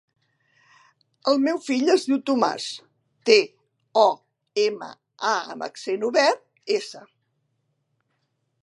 El meu fill es diu Tomàs: te, o, ema, a amb accent obert, essa.